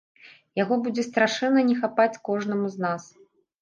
Яго будзе страшэнна не хапаць кожнаму з нас.